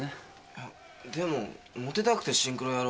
いやでもモテたくてシンクロやるわけじゃ。